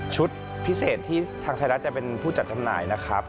พิเศษที่ทางไทยรัฐจะเป็นผู้จัดจำหน่ายนะครับ